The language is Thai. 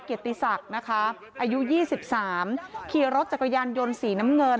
เกียรติศักดิ์นะคะอายุ๒๓ขี่รถจักรยานยนต์สีน้ำเงิน